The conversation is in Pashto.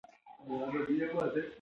ایا دا هلک رښتیا هم وېرېدلی و؟